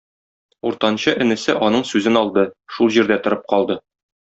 Уртанчы энесе аның сүзен алды, шул җирдә торып калды.